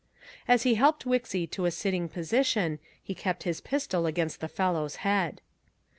As he helped Wixy to a sitting position, he kept his pistol against the fellow's head.